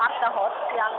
dan disini sedang